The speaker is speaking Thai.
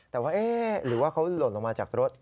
แต่ว่าเอ๊ะหรือว่าเขาหล่นลงมาจากรถ